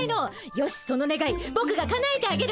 よしそのねがいぼくがかなえてあげる。